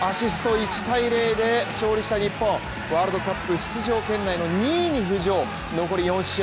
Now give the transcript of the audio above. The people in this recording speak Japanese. １対０で勝利した日本、ワールドカップ出場圏内の２位に浮上、残り４試合